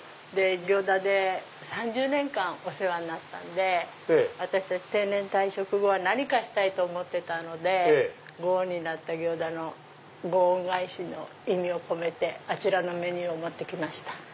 行田で３０年間お世話になったんで私たち定年退職後は何かしたいと思ってたのでご恩になった行田のご恩返しの意味を込めてあちらのメニューを持って来ました。